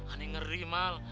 aneh ngeri mal